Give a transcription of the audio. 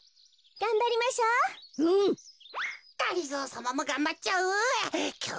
がりぞーさまもがんばっちゃう。